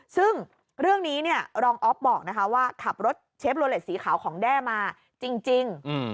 ซึ่งเรื่องนี้เนี่ยรองอ๊อฟบอกนะคะว่าขับรถเชฟโลเลสสีขาวของแด้มาจริง